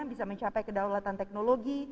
bisa mencapai kedaulatan teknologinya